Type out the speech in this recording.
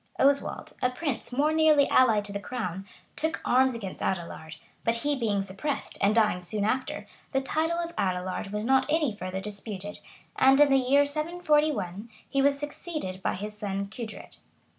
Oswald, a prince more nearly allied to the crown, took arms against Adelard; but he being suppressed, and dying soon after, the title of Adelard was not any further disputed; and in the year 741, he was succeeded by his cousin Cudred.